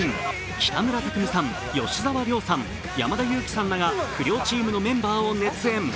北村匠海さん、吉沢亮さん、山田裕貴さんら不良チームのメンバーを熱演。